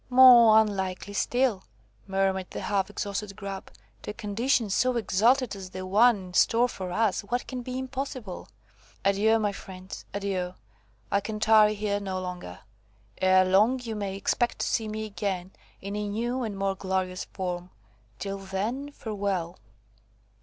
"More unlikely still," murmured the half exhausted Grub. "To a condition so exalted as the one in store for us, what can be impossible? Adieu, my friends, adieu! I can tarry here no longer. Ere long you may expect to see me again in a new and more glorious form. Till then, farewell!"